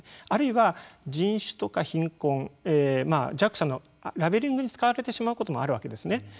あるいは人種とか貧困弱者のラベリングに使われてしまうこともあるわけですね。